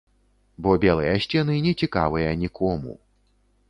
Бо белыя сцены не цікавыя нікому.